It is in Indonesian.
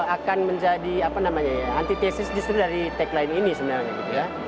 akan menjadi antitesis justru dari tagline ini sebenarnya